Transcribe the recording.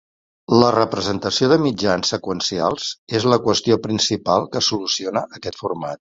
La representació de mitjans seqüencials és la qüestió principal que soluciona aquest format.